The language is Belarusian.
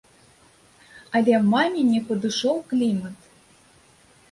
Але маме не падышоў клімат.